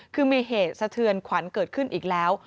คือมีเหตุสะเทือนขวัญเกิดขึ้นอีกแล้ว